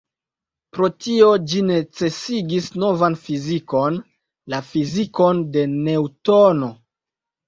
Pro tio, ĝi necesigis novan fizikon, la fizikon de Neŭtono.